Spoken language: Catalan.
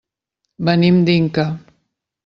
Venim d'Inca.